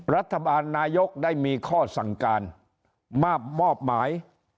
รัฐบาลนายกได้มีข้อสั่งการมาบมอบหมาย